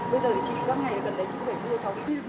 bây giờ thì chị gặp ngày gần đây chị cũng phải vui cho chị